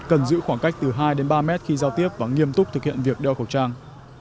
cần giữ khoảng cách từ hai đến ba mét khi giao tiếp và nghiêm túc thực hiện việc đeo khẩu trang